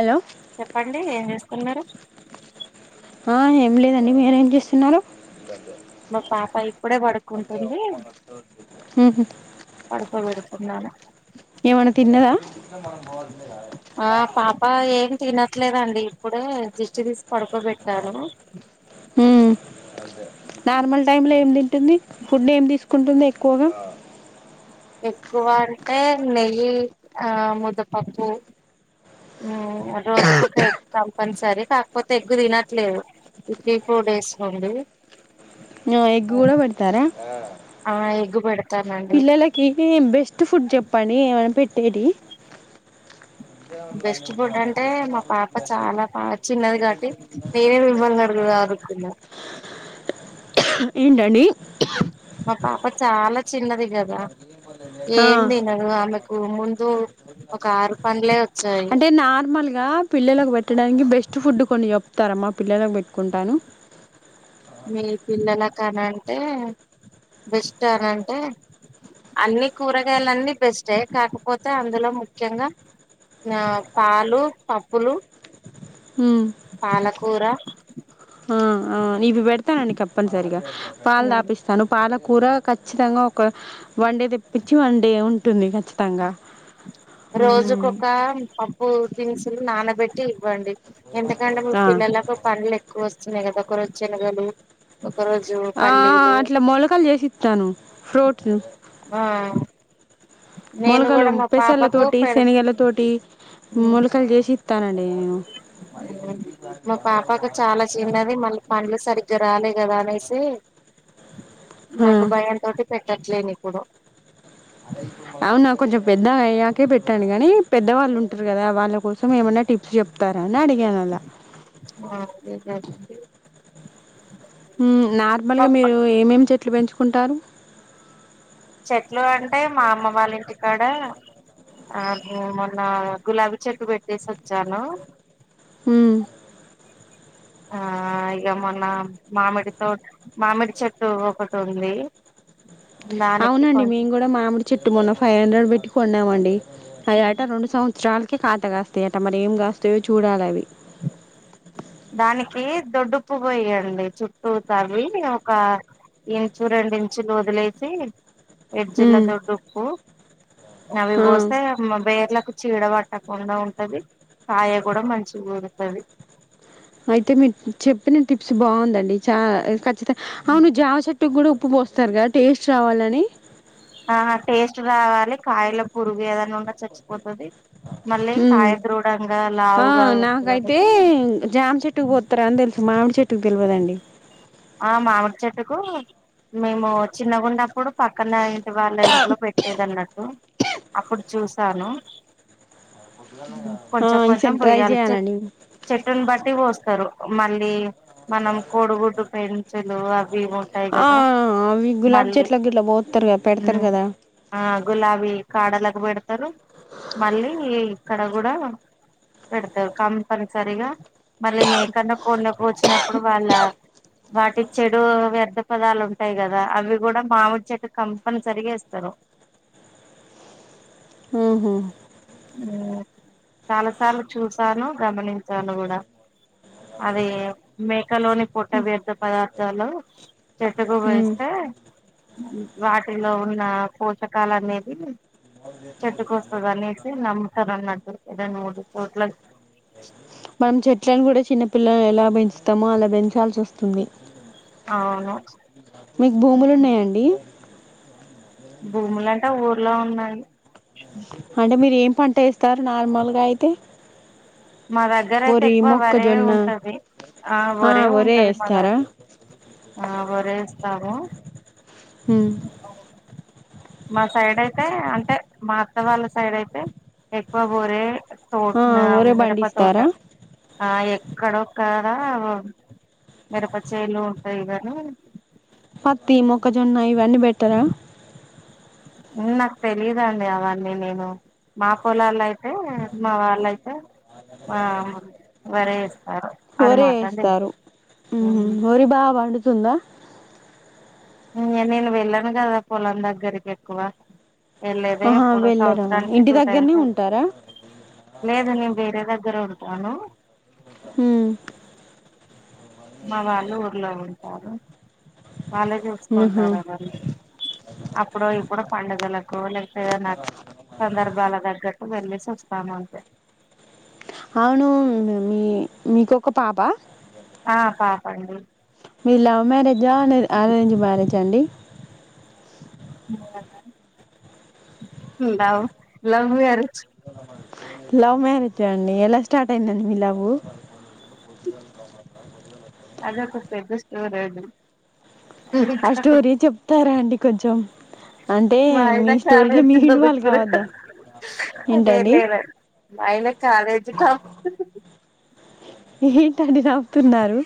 అలో చెప్పండి ఏం చేస్తున్నారు ఆ ఏం లేదండి మీర ఏం చేస్తున్నారు మ పాప ఇ ఊహ్ పడుకోబెడుతున్నాను ఆ పాప ఏం తినట్లేదండి ఇప్పుడే దిష్టి తీసు నార్మల్ టైమ్ లో ఏం తింటుంది ఫుడ్ ఏమి తీసుకుంటుంది ఎ కుగా ఎక్కువ అంటే నెయ్యి ఆ ముద్దపప్పు రోజుకు కంపల్సరీ కాకపోతే ఎక్్కు తినట్లేదు ఈ త్రీ ఫోర్ డేస్ నుండి ఎగ్ కూడా పెడతారా ఆ ఎగ్గుబడ పిల్లలకి బెస్ట్ ఫుడ్ చెప్పండి ఏమై పెట్ డి బెస్ట్ ఫుడ్ అంటే మా పాప చాలా బాగా చిన్నది కాబట్టి నేనే బిమ్వ అడగుదా అనుకున్నా ఏంటండి మా పాప చాలా చిన్నది కదా ఏం తినదు ఆమెకు ముందు ఒక ఆరు పండ్లే వచ్చాయి అంటే నార్మల్ గా పిల్లలకు పెట్టడానికి బెస్ట్ ఫస్ట్ ఫుడ్ కొన్ని చెప్తారమ్మా పిల్లలకు పెట్టుకుంటాను మీ పిల్లలలకు అనంటే బెస్ట్ అనంటే అన్ని కూరగాయలన్ని బెస్ట కాకపోతే అందులో ముఖ్యంగా ఆ పాలు పప్పులు హమ్ మలకూరా ఆ ఇవి పెడతానండి తప్పనిసరిగా పాలు దాపిస్తాను పాల కూర ఖచ్చితంగా ఒక వన్ డే తెప్పించి వన్ డే ఉంటుంది ఖచ్చితంగా ఉమ్ రోజుకొక పప్పు తినసు అసలు నానబెట్టి ఇవ్వండి ఎందుకంటే మా ఆ పిల్లలకు పనులు ఎక్కువ వస్తున్నాయి కదా ఒకరు వచ్చిలగాలి ఆ అట్లా మొలకలు చేసిస్తాను ఫ్రూట్స్ ఆ నేను కూడా మా పాప ల తోటి శనగల తోటి మూలకలు చేసి ఇస్తానండి మా ఇగర ఆాల కదా అనే స ఆ నాకు భయం తోటి పెట్టి పెట్టట్లేని ఇప్పుడు అవునా కొంచెం పెద్ద అయ్యాకే పెట్టాంను గానీ పెద్దవాళ్ళు ఉంటారు కదా వాళ్ళ కోసం సో మేమైన్నా టిప్స్ చెప్తారా అని అడిగాను అలా హా అంతేకదండి నార్మల్ గా మీరు ఏమేమి చె ఎట్లు పెంచుకుంటారు చెట్లు అంటే మా అమ్మ వాళ్ళ ఇంటికాడ అే మొన్న గులాబీ చెట్టు పెట్టేసి వచ్చాను అ ఆ ఇక మొన్న మామిడితో మామిడి చెట్టు ఒకటి ఉంది దానికి అవునండి కొంచెం మేము కూడా మామిడి చెట్టు మొన్న ఫైవ్ హండ్రెడ్ పెట్టుకు కొన్నామండి ఆ అట రెండు సంవత్సరాలకి కాత కాస్తాయి అట మరి ఏం కాస్తాయో చూడాలి అవి దానికి దొడ్డుప్పు పోయ్యండి చుట్టూ తవి ఒక ఇంచు రెండించులు వదిలేసి ఎడ్ జిల్లా ఉమ్ దొడ్డకుూ అవి ఆ పోస్తా బేర్ల చీడ పట్టకుండా ఉంటది కాయ కూడా మంచి కుఊరుతుది అయితే మీరు చెప్పిన టిప్స్ బాగుందండి చా ఖచ్చితంగా అవును జా చెట్ కూడాప్పు బోస్త వస్తారు కదా టేస్ట్ రావాలని ఆ టేస్ట్ రావాలి కాయల పురుగు ఏదనా ఉన్నా చచ్చిపోతుది ఆ లావుగా వస్తది నాకైతే అనేసి జామ్ చెట్టుకు పోతారా అని తెలుసు మామిడి చెట్టుకు తెలివదండి ఆ మామిడి చెట్టుకు మేము చిన్న గుండ ఇప్పుడు పక్కన ఇంటి వాళ్ళ ఇంట్లో పెట్టేది అన్నట్టు అప్పుడు చూసాను ఆ కొంచెం కొంచెం ఈసారి ట్రై పోయ్యాలి చెట్ చేయాలండి చెట్టుని బట్టి పోస్తు సారు మళ్ళీ మనం కోడుగుడ్డు పెంచులు అవి ఉంటాయి ఆ కదా అవి గులాబీ మళీ చెట్లకి ఇట్లా పోతారు కదా పెడతారు కదా గులాబీ ఎండలకు పెడతారు మళ్ళీ ఇక్కడ కూడా పెడతారు కంపనిసరిగా మళ్ళీ మేకన్నా కొండినీ వచ్చినప్పుడు వాళ్ళ వాటి చెడు వ్యర్థ పదాలు ఉంటాయి కదా అవి కూడా మామిడి చెట్టు కంపల్సరిగా ఇస్తారు మ్మ్ హ్మ్ చాలా సార్లు చూసాను గమనించాను కూడా అది మేకలోని పొట్ట వీర్థ పదార్థాలు చెట్టుకు హ్మ్ వేస్తే వాటిలో ఉన్న పోషకాలు అనేది చెట్టు కోస అనేసి నమ్ముతారు అన్నటు ఏదా మూడు చోట్ల మనం చెట్లను కూడా చిన్నపిల్లలను ఎలా పెంచుతామో అలా పెంచాల్సి వస్తుంది అవును మీకు భూములు ఉన్నాయంండి భూములంటే ఊర్లో ఉన్నాయి అంటే మీరు ఏం పంట వేస్తారు నార్మల్గా అయితే మా దగ్గర అయితే వరి ఎక్కువ వరే మొక్కజొన్న ఉంటది ఆ వరే ఉంటది మా దగ్గర ఆ వరేస్తారా హ్మ్ మా సైడ్ అయితే అంటే మా అత్త వాళ్ళ సైడ్ అయితే ఎక్కువ బోరే తోట ఆ నా ఒరే బండి మిరప తోట ఇస్తారా ఆ ఎక్కడొ ఒక మిరప చెలుు ఉంటాయి గధ పత్తి మోక్క జోన్న ఇవి అన్ని బెట్ట త్తర నాకు తెలీదు అండి అవన్నీ నేను మా పొలాలు అయితే మా వాళ్ళ అయితే వర వరే వేస్తారు మ్మ్ తెలుసు వరి బాగా పండు తుంది ఇ నేను వెళ్ళాను కదా పొలం దగ్గరికి ఎక్కువ వెళ్ళలేదే ఆహా ఇప్పుడు వెళ్ళరా సంవత్సరానికి ఇంటి టూ టైమ్స్ దగ్గరనే వెళ్త ఉంటారా లేదు నేను వేరే దగ్గర ఉంటాను మ్మ్ మా వాళ్ళు ఊర్లో ఉంటారు వాళ్ళే ఆహా చూసుకుంటారువరు అప్పుడు ఇప్పుడు పడుగల గోల ద నా సందర్భ అాల దగ్గట్ వెళ్ళేసి వస్తాం అంతే అవును మీ మీకొక పాప ఆ పాప అండి మీ లవ్ మ్యారేజా అ అరేంజ్ మ్యారేజ్ అండి లవ్ వేరు లవ్ మ్యారేజ్ అండి ఎలా స్టార్ట్ అయిందండి మీలావ అదకు పెద్ద స్టోర్ అది ఆ స్టోరీ చెప్తారా అండి కొంచెం అంటే మా ఆయన మీ స్టోరీలో కాలేజీ మీరు ఇన్వాల్వ్ చదువుకునే కావద్దా ఏంటండి మైనా కాలేజ్ కా ఏంటండి నవ్వుతున్నారు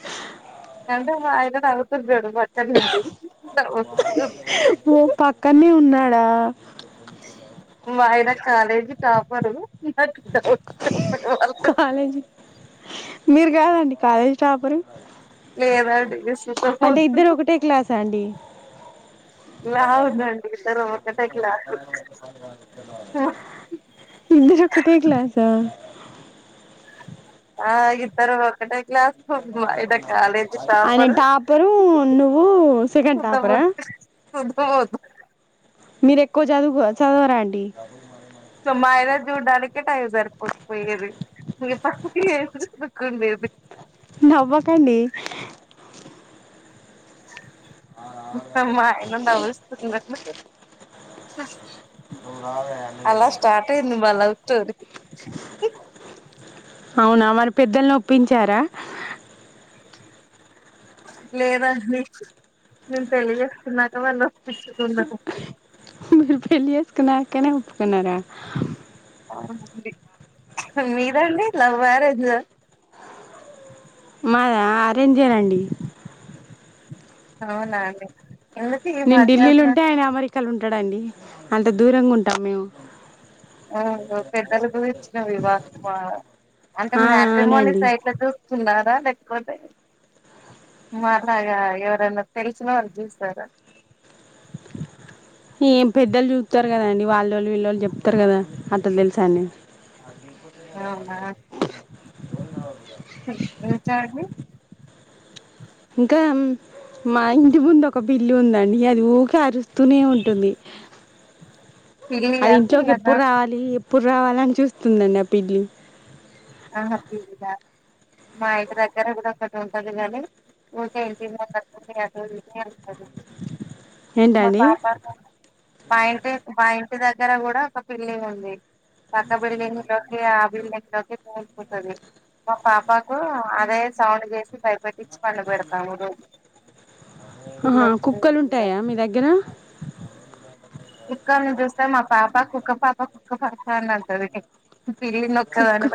అంటే మా ఆయన నవ్వుతున్నాడు పక్కన్నుంచి ఓ పక్కనే ఉన్నా డా మా ఆయన కాలేజీ టాపరు నాకు డౌ కాలేజీ మీరు కాదండి కాలేజ్ టాప లేవర్డ్ పో ఒకటే క్లాసా అండి లావుందండి ఇద్దరు ఒకటకిలా ఇద్దరు ఒకటే క్లాసా ఆగి తరు ఒకక్కట ఆయన టాపరు టాపరు నువ్వు సెకండ్ టాపరా శుద్ధపోతుడు శుద్ధపోతుడు మీరు ఎక్కువ చదువుకో చదవరా అండి మా ఆయన చూడ్డానికే టైం జరిపోకపోయేది మీ పక్కండేది నబకాడి అ అమ్మా ఇంద అస్ అలా స్టార్ట్ అయిది ని బాల తరి అవునా మన పెద్దల్ని ఒప్పించారా లేదాండి మేము పెళ్లిజేస్తున్నాక వాళ్ళు ఒప్పించుకున్నారు రు ఫళ్లిసుకున్నా కనా ఉప్పుకునారా వు మీదండి లవ్ మ్యారేజ్ మా అరేంజ్ జేయ్యనండి అవునాండి నేను ఢిల్లీలు ఉంటే ఆయన అమరి క్కల్ ఉంటాడం అండి అంత దూరంగా ఉంటాం మేము పెద్దల గు ఇచ్చిన వివాహ అంటే ఆ మటమోని అవునండి సైట్ల చూ స్తున్నారా లేకపోతే మలాగా ఎవరైనా తెలిసినా వాళ్ళు చూసారా ఏం పెద్దలు చూస్తారు కదండి వాళ్ళ వాళ్ళు వీళ్ళ వాళ్ళు చెప్తారు కదా అతలు తెలుసా అని అవునా ద వి చార్డి ఇంకా మా ఇంటి ముందు ఒక బిల్లు ఉందండి అది ఊక అరుస్తూనే ఉంటుంది అది పిల్లియా ఇంట్లోకి పిల్లనా ఎప్పుడు రావాలి ఎప్పుడు రావాలని చూస్తుందండి ఆ పిల్లి ఆహా పిల్లా మా ఇంటి దగ్గర కూడా ఒకటు ఉంటలిగాలలి ఊకే ఇంటి ఇందింది అటు అరే ఏంటండి మాపా మా ఇంటి మా ఇంటి దగ్గర కూడా ఒక పిల్లి ఉంది పకాబడిలినిక అ ంటది మా పాపాకు అదే సౌండ్ చేసి భయపెట్ ఫ పం పోయకా ఆహా కుక్కలు ఉంటాయా మీ దగ్గర కుక్కనీ చూస్తే మా పాప కుక్క పాప కుక్క పాప అని అంటది పల్లీందొ ఒకే కుక్క వేన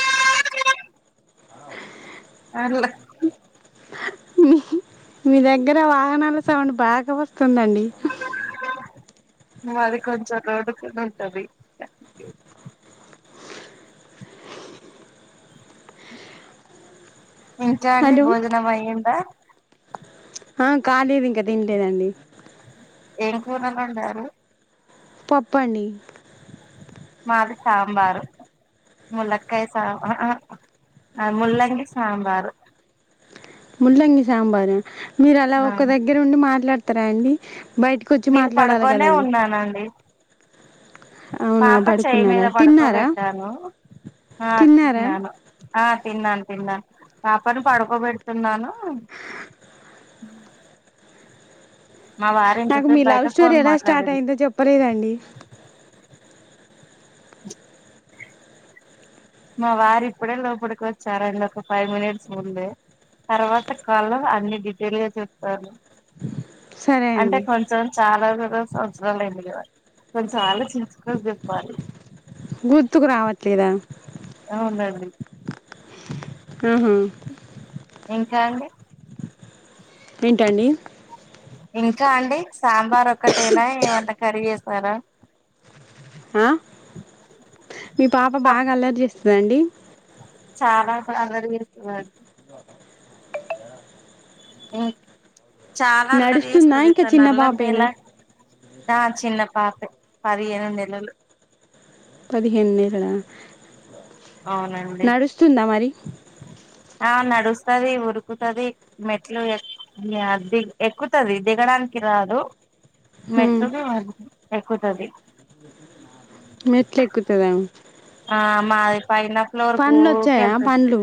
ఆ ఆ అ మీ మీ దగ్గర వాహనాలు సౌండ్ బాగా వస్త వస్తుందండి అది కొంచెం రోడుకుని ఉంటది ఇంకా అండి హలో భోజనం అయ్యిందా ఆ కాలేదు ఇంకా తినలేదండి ఏం కూరని వండారు పప్పండి మాది సాంబారు ములక్కయ సా ముల్లంగి సాంబారు ముల్ంగి సాబారు మీరు అలా ఒక దగ్గర ఉండి మాట్లాడత త్త్రాండి నేను పడుకొనే ఉన్నానండి అవునా పాప చేయిి మీద పడుకున్నారా తిన్నారా పడుకోబెట్టాను ఆ తిన్నారా అకున్నాను ఆ తిన్నాను తిన్నాను పాపను పడుకోబెడుతున్నాను మా వారు నాకు మీ ఇంతసేపు లవ్ బయట స్టోరీ ఫోన్ ఎలా స్టార్ట్ మాట్లాడేది అయిందో చెప్పలేదండి మా వారు ఇప్పుడే లోపలికి వచ్చారండి ఒక ఫైవ్ మినిట్స్ ముందే తర్వాత కాళ అన్ని డీటెయిల్ గా చెప్తారు సరే అంటే అండి కొంచెం చాలా సంవత్సరాలు అయింది కధ కొంచెం ఆలోచించుకని చెప్పాలి గుర్తుకు రావట్లేదా అవునండి అ ఇంకా అండి ఏంటండి ఇంకా అండి సాం బార్ ఒకటేలా వ కరి వే సరే ఆ మీ పాప పప్పు బాగా అల్లరి జేస్తుందండి చాలా ప్రగర్ చేసేవా ఇ చాలా అల్లరి నడుస్తుందా వేస్తది ఇ స ఇంకా న చిన్న అల్లరి నల పాపేనా నా చిన్న పాప పదిహేను నెలలు పదిహేను నెలలా అవునండి నడుస్తుందా మరి [inaudible] ఆ నడుస్తుది ఉరుకుతుది మెట్లు ఎ ది ఎక్కుతుది దిగడానికి రాదు హ్మ్. మెట్రో దే అది ఎక్కుతది మెట్లు ఎక్కుతదా ఆ మా పైన ఫ్లోర్ కి ఊకే వెళ్తది. పండ్లు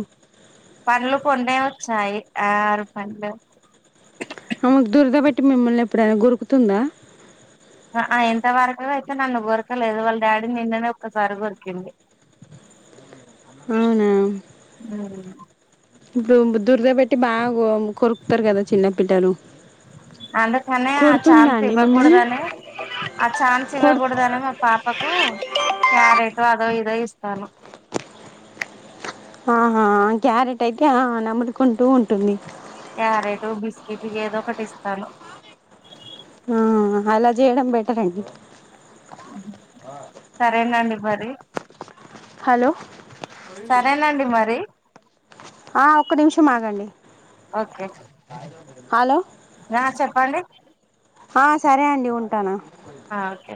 పనులు పొండే వచ్చాయి ఆరు పనులు ఆమెకు దురద బెట్టి మిమ్మల్ని ఎప్పుడైనా గొరుకుతుందా ఆ ఇంత వరకు అయితే నన్ను గొరకలేదు వాళ్ళ డాడీ నిన్ననే ఒక్కసారి గొరికింది అవునా హ్మ్ ఇప్పుడు దురద పెట్టి బాగా కొరుకుతారు కదా చిన్నపిల్లలు అందుకనే ఆ కొడుతుందా చాన్స్ అండి మిమ్మల్ని ఇవ్వకూడదనే ఆ ఛాన్స్ కొడు ఇవ్వకూడదనే మా పాపకు క్యారెట్ అదో ఇదో ఇ స్తాను ఆహా క్యారెట్ అయితే ఆ నమ్ముడుకుంటూ ఉంటుంది. క్యారెట్ బిస్కెట్ ఏదో ఒకటి ఇస్తాను. ఆ అలా చేయడం బెటర్ అండి సరేనండి మరి హలో సరేనండి మరి ఆ ఒక్క నిమిషం ఆగండి ఓకే హలో నా చెప్పండి ఆ సరే అండి ఉంటానా ఆ కేే